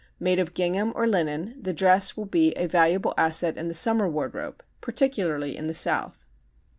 Made of gingham or linen the dress will be a valuable asset in the summer wardrobe, particularly in the South.